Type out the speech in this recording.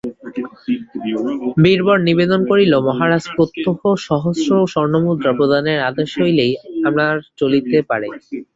বীরবর নিবেদন করিল মহারাজ প্রত্যহ সহস্র স্বর্ণমুদ্রা প্রদানের আদেশ হইলেই আমার চলিতে পারে।